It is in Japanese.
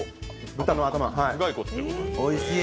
豚の頭、おいしい。